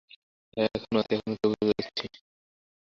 হ্যাঁ, আছি এখনো, তবে এখুনি চলে যাচ্ছি।